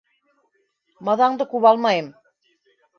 Маҙаңды күп алмайым.